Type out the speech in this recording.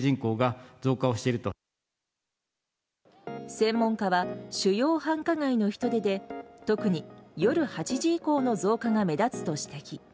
専門家は、主要繁華街の人出で特に夜８時以降の増加が目立つと指摘。